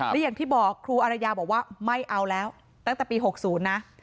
และอย่างที่บอกครูอารยาบอกว่าไม่เอาแล้วตั้งแต่ปี๖๐นะ